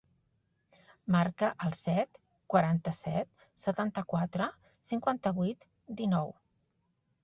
Marca el set, quaranta-set, setanta-quatre, cinquanta-vuit, dinou.